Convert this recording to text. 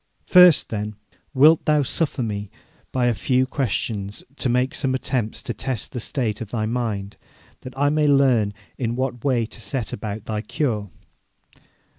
'First, then, wilt thou suffer me by a few questions to make some attempt to test the state of thy mind, that I may learn in what way to set about thy cure?'